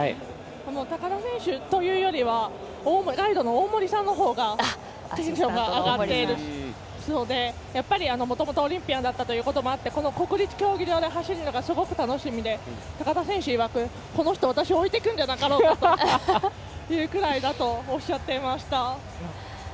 高田選手というよりはガイドの大森さんのほうがテンションが上がってますのでもともとオリンピアンだったこともあってこの国立競技場で走るのがすごく楽しみで高田選手いわく、この人、私を置いていくんじゃなかろうかというくらいだとおっしゃっていました。